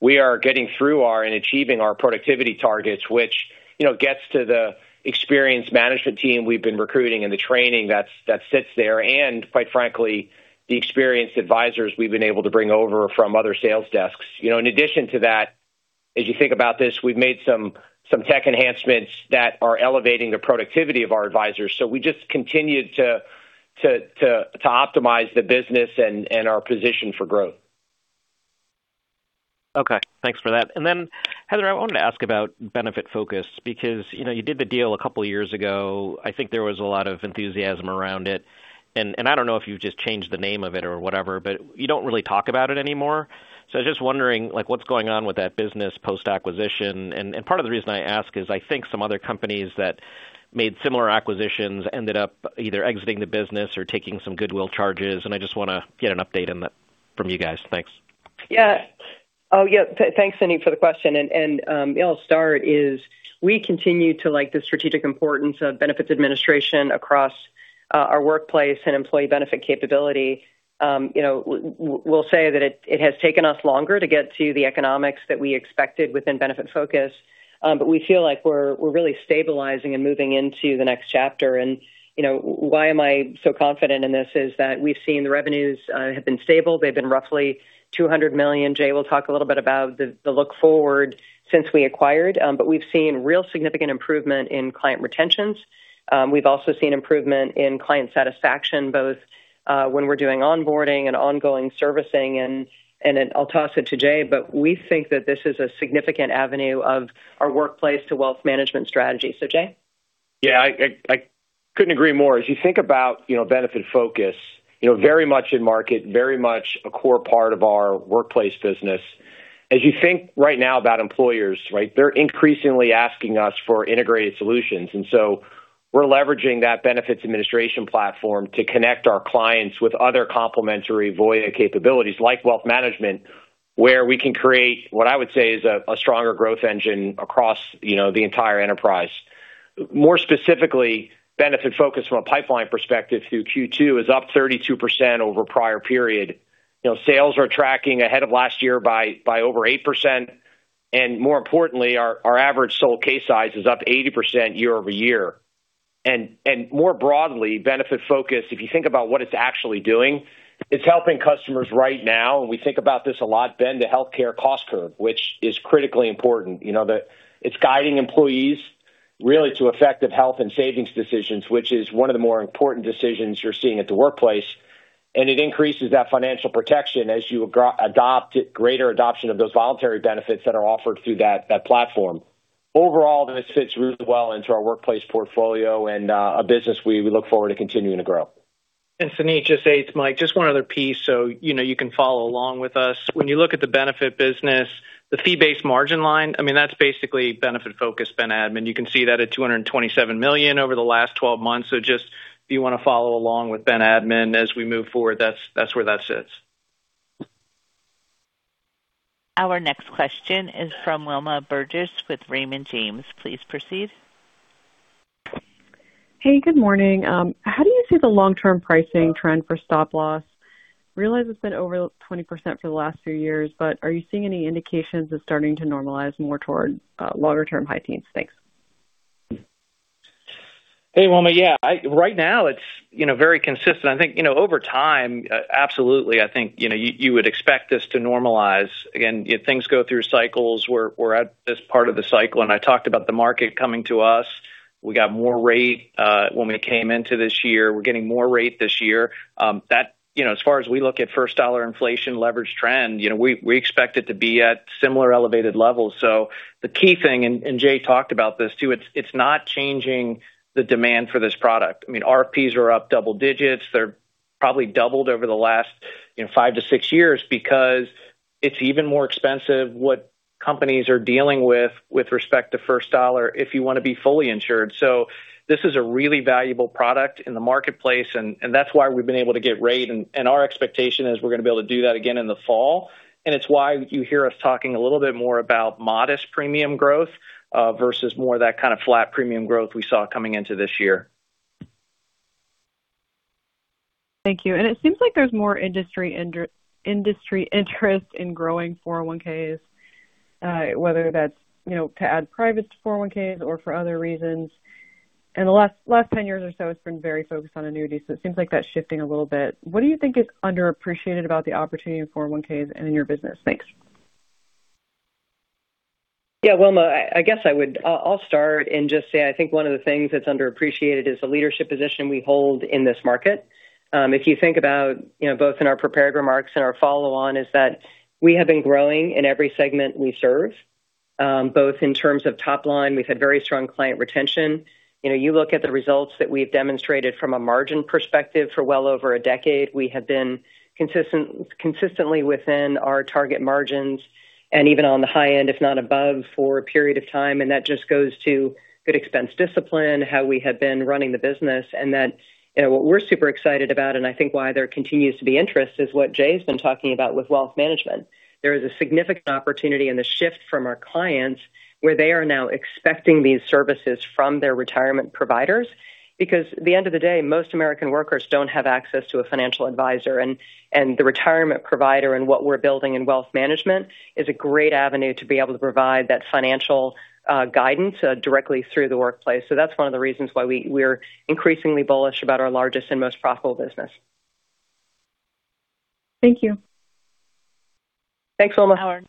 We are achieving our productivity targets, which gets to the experience management team we've been recruiting and the training that sits there, and quite frankly, the experienced advisors we've been able to bring over from other sales desks. In addition to that, as you think about this, we've made some tech enhancements that are elevating the productivity of our advisors. We just continued to optimize the business and our position for growth. Okay. Thanks for that. Heather, I wanted to ask about Benefitfocus, because you did the deal a couple of years ago. I think there was a lot of enthusiasm around it. I don't know if you've just changed the name of it or whatever, but you don't really talk about it anymore. I was just wondering what's going on with that business post-acquisition. Part of the reason I ask is I think some other companies that made similar acquisitions ended up either exiting the business or taking some goodwill charges, and I just want to get an update on that from you guys. Thanks. Yeah. Thanks, Suneet, for the question. I'll start is we continue to like the strategic importance of Benefits Administration across Our workplace and employee benefit capability, we'll say that it has taken us longer to get to the economics that we expected within Benefitfocus. We feel like we're really stabilizing and moving into the next chapter. Why am I so confident in this is that we've seen the revenues have been stable. They've been roughly $200 million. Jay will talk a little bit about the look forward since we acquired. We've seen real significant improvement in client retentions. We've also seen improvement in client satisfaction, both when we're doing onboarding and ongoing servicing. I'll toss it to Jay, but we think that this is a significant avenue of our Workplace Solutions to wealth management strategy. Jay? Yeah, I couldn't agree more. As you think about Benefitfocus, very much in market, very much a core part of our Workplace Solutions business. You think right now about employers, they're increasingly asking us for integrated solutions. We're leveraging that Benefits Administration platform to connect our clients with other complementary Voya capabilities like wealth management, where we can create what I would say is a stronger growth engine across the entire enterprise. More specifically, Benefitfocus from a pipeline perspective through Q2 is up 32% over prior period. Sales are tracking ahead of last year by over 8%, and more importantly, our average sold case size is up 80% year-over-year. More broadly, Benefitfocus, if you think about what it's actually doing, it's helping customers right now, and we think about this a lot, bend the healthcare cost curve, which is critically important. It's guiding employees really to effective health and savings decisions, which is one of the more important decisions you're seeing at the workplace. It increases that financial protection as you adopt greater adoption of those voluntary benefits that are offered through that platform. Overall, this fits really well into our workplace portfolio and a business we look forward to continuing to grow. Suneet, just to it's Mike, just one other piece so you can follow along with us. When you look at the benefit business, the fee-based margin line, that's basically Benefitfocus, Benefits Administration. You can see that at $227 million over the last 12 months. Just if you want to follow along with Benefits Administration as we move forward, that's where that sits. Our next question is from Wilma Burdis with Raymond James. Please proceed. Hey, good morning. How do you see the long-term pricing trend for stop loss? Realize it's been over 20% for the last few years, but are you seeing any indications it's starting to normalize more towards longer term high teens? Thanks. Hey, Wilma. Right now it's very consistent. I think, over time, absolutely, I think you would expect this to normalize. Things go through cycles. We're at this part of the cycle, and I talked about the market coming to us. We got more rate when we came into this year. We're getting more rate this year. As far as we look at first dollar inflation leverage trend, we expect it to be at similar elevated levels. The key thing, and Jay talked about this too, it's not changing the demand for this product. RFPs are up double digits. They're probably doubled over the last five to six years because it's even more expensive what companies are dealing with respect to first dollar if you want to be fully insured. This is a really valuable product in the marketplace, and that's why we've been able to get rate. Our expectation is we're going to be able to do that again in the fall. It's why you hear us talking a little bit more about modest premium growth versus more of that kind of flat premium growth we saw coming into this year. Thank you. It seems like there's more industry interest in growing 401(k)s whether that's to add privates to 401(k)s or for other reasons. In the last 10 years or so, it's been very focused on annuity. It seems like that's shifting a little bit. What do you think is underappreciated about the opportunity in 401(k)s and in your business? Thanks. Wilma, I guess I'll start and just say, I think one of the things that's underappreciated is the leadership position we hold in this market. If you think about both in our prepared remarks and our follow on is that we have been growing in every segment we serve, both in terms of top line, we've had very strong client retention. You look at the results that we've demonstrated from a margin perspective for well over a decade. We have been consistently within our target margins, and even on the high end, if not above, for a period of time, and that just goes to good expense discipline, how we have been running the business. What we're super excited about, and I think why there continues to be interest is what Jay's been talking about with wealth management. There is a significant opportunity and a shift from our clients where they are now expecting these services from their retirement providers. Because at the end of the day, most American workers don't have access to a financial advisor, and the retirement provider and what we're building in wealth management is a great avenue to be able to provide that financial guidance directly through the workplace. That's one of the reasons why we're increasingly bullish about our largest and most profitable business. Thank you. Thanks, Wilma.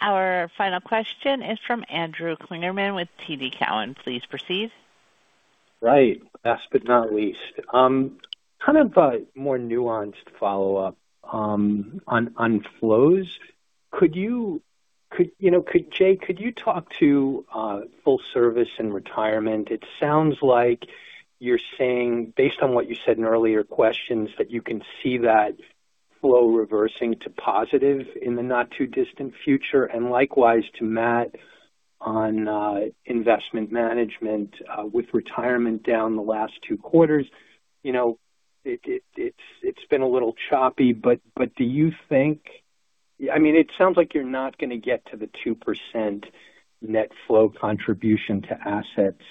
Our final question is from Andrew Kligerman with TD Cowen. Please proceed. Right. Last but not least. Kind of a more nuanced follow-up on flows. Jay, could you talk to full service and Retirement? It sounds like you're saying, based on what you said in earlier questions, that you can see that flow reversing to positive in the not too distant future, and likewise to Matt on Investment Management with Retirement down the last two quarters. It's been a little choppy, but do you think I mean, it sounds like you're not going to get to the 2% net flow contribution to assets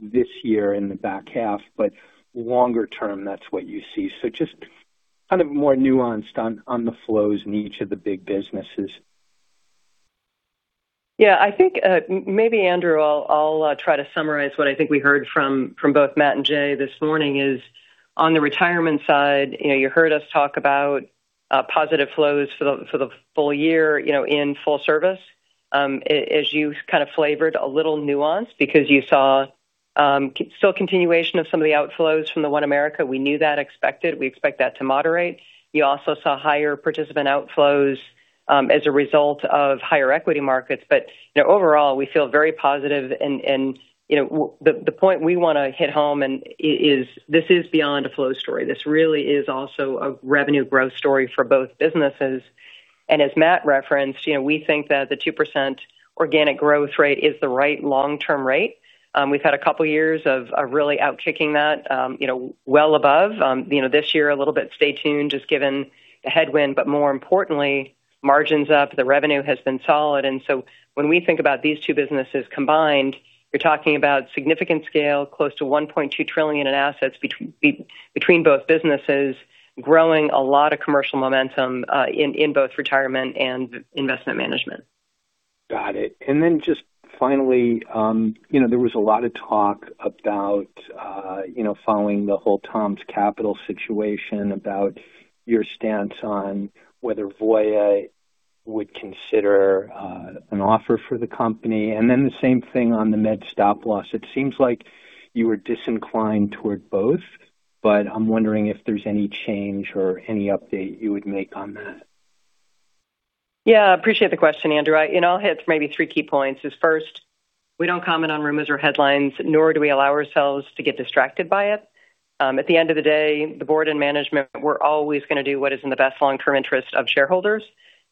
this year in the back half, but longer term, that's what you see. Just kind of more nuanced on the flows in each of the big businesses. Yeah, I think maybe, Andrew, I'll try to summarize what I think we heard from both Matt and Jay this morning is on the Retirement side, you heard us talk about positive flows for the full year in full service, as you kind of flavored a little nuance because you saw still continuation of some of the outflows from the OneAmerica. We knew that, expected. We expect that to moderate. We also saw higher participant outflows as a result of higher equity markets. Overall, we feel very positive. The point we want to hit home and is this is beyond a flow story. This really is also a revenue growth story for both businesses. As Matt referenced, we think that the 2% organic growth rate is the right long-term rate. We've had a couple years of really outkicking that well above. This year, a little bit stay tuned, just given the headwind, more importantly, margins up, the revenue has been solid. When we think about these two businesses combined, you're talking about significant scale, close to $1.2 trillion in assets between both businesses, growing a lot of commercial momentum in both Retirement and Investment Management. Got it. Just finally, there was a lot of talk about following the whole TOMS Capital situation, about your stance on whether Voya would consider an offer for the company, and then the same thing on the mid stop loss. It seems like you were disinclined toward both, I'm wondering if there's any change or any update you would make on that. Yeah, appreciate the question, Andrew. I'll hit maybe 3 key points is first, we don't comment on rumors or headlines, nor do we allow ourselves to get distracted by it. At the end of the day, the board and management, we're always going to do what is in the best long-term interest of shareholders.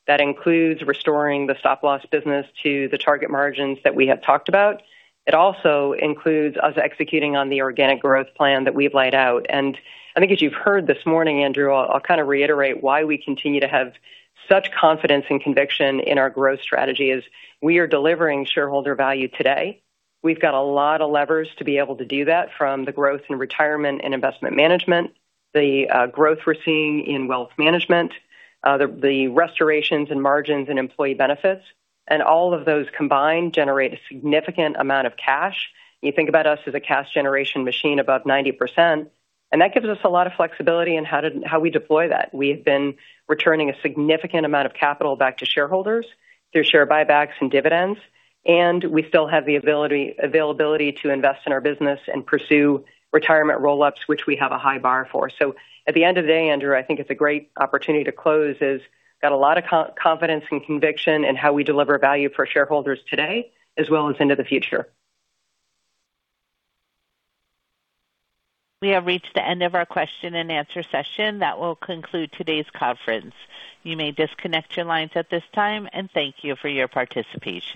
That includes restoring the stop-loss business to the target margins that we have talked about. It also includes us executing on the organic growth plan that we've laid out. I think as you've heard this morning, Andrew, I'll kind of reiterate why we continue to have such confidence and conviction in our growth strategy is we are delivering shareholder value today. We've got a lot of levers to be able to do that, from the growth in Retirement and Investment Management, the growth we're seeing in Wealth Management, the restorations in margins and Employee Benefits, all of those combined generate a significant amount of cash. You think about us as a cash generation machine above 90%. That gives us a lot of flexibility in how we deploy that. We have been returning a significant amount of capital back to shareholders through share buybacks and dividends. We still have the availability to invest in our business and pursue retirement roll-ups, which we have a high bar for. At the end of the day, Andrew, I think it's a great opportunity to close is got a lot of confidence and conviction in how we deliver value for shareholders today as well as into the future. We have reached the end of our question and answer session. That will conclude today's conference. You may disconnect your lines at this time. Thank you for your participation.